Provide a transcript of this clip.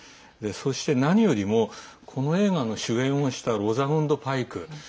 そして何よりもこの映画の主演をしたロザムンド・パイク。